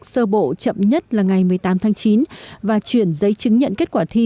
sơ bộ chậm nhất là ngày một mươi tám tháng chín và chuyển giấy chứng nhận kết quả thi